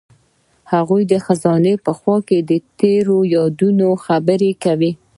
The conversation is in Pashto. هغوی د خزان په خوا کې تیرو یادونو خبرې کړې.